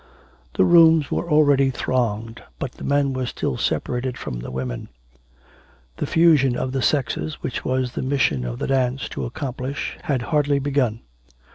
The rooms were already thronged, but the men were still separated from the women; the fusion of the sexes, which was the mission of the dance to accomplish, had hardly begun.